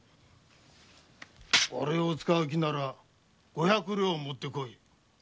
おれを使う気なら五百両持って来い。